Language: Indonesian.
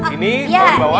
ini mau di bawah semua